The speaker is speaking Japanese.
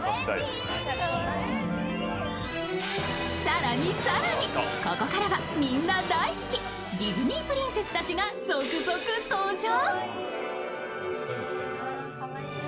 更に更に、ここからはみんな大好き、ディズニープリンセスたちが続々登場。